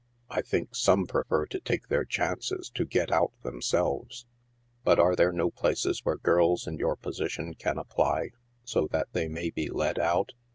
I think some prefer to take their chances to get out themselves." "But are there no places where girls in your position can apply, so that they may be led out